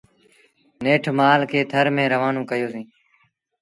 نيٺ مآل کي ٿر ميݩ روآنون ڪيو سيٚݩ۔۔